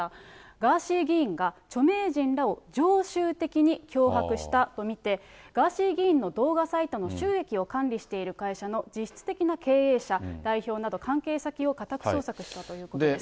ガーシー議員が著名人らを常習的に脅迫したと見て、ガーシー議員の動画サイトの収益を管理している会社の実質的な経営者、代表など関係先を家宅捜索したということです。